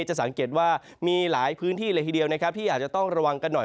จะสังเกตว่ามีหลายพื้นที่เลยทีเดียวนะครับที่อาจจะต้องระวังกันหน่อย